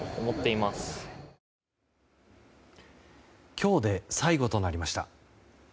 今日で最後となりました。